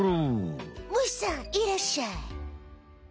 虫さんいらっしゃい！